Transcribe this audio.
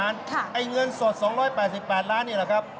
เงินสด๒๘๘ล้านบาทนี่หรือครับ